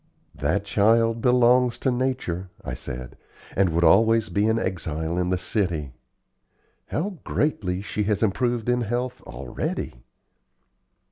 "That child belongs to nature," I said, "and would always be an exile in the city. How greatly she has improved in health already!"